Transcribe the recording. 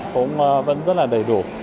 cũng vẫn rất là đầy đủ